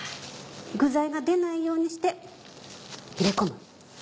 具材が出ないようにして入れ込む。